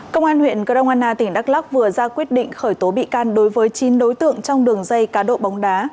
công an huyện grongwana tỉnh đắk lóc vừa ra quyết định khởi tố bị can đối với chín đối tượng trong đường dây cá độ bóng đá